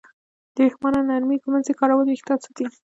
د ویښتانو نرمې ږمنځې کارول وېښتان ساتي.